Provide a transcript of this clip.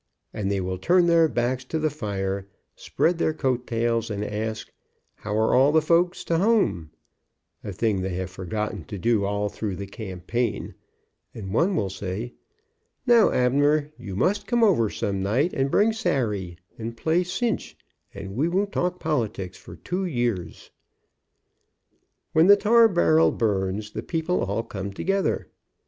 and they will turn their backs to the fire, spread their coat tails and ask, "how are all the folks to hum," a thing they have forgotten to do all through the campaign, and one will say, "Now, Abner, you must come over some night and bring Sary, and play cinch, and we won't talk politics for two years.'' When the tar barrel burns the people all come together.